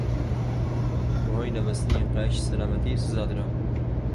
بەهۆی نەبەستنی قایشی سەلامەتی سزا درام.